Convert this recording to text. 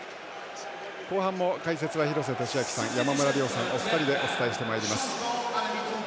後半も解説は廣瀬俊朗さん、山村亮さんお二人でお伝えしてまいります。